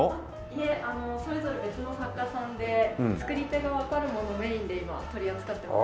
いえそれぞれ別の作家さんで作り手がわかるものメインで今取り扱ってます。